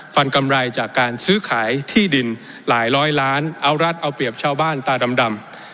กำไรจากการซื้อขายที่ดินหลายร้อยล้านเอารัฐเอาเปรียบชาวบ้านตาดำ